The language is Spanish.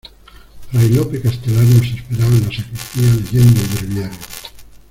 fray Lope Castelar nos esperaba en la sacristía leyendo el breviario.